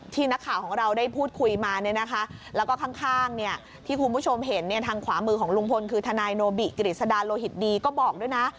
นักข่าวของเราได้พูดคุยมาเนี่ยนะคะแล้วก็ข้างที่คุณผู้ชมเห็นทางขวามือของลุงพลคือทนายโนบิกฤษดาโลหิตดีก็บอกด้วยนะ